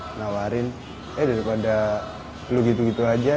menawarin eh daripada lu gitu gitu aja